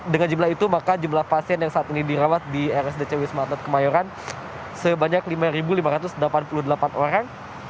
dengan jumlah itu maka jumlah pasien yang saat ini dirawat di rsdc wisma atlet kemayoran sebanyak lima lima ratus delapan puluh delapan orang